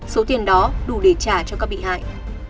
số tiền đó đủ để trả cho các bị hại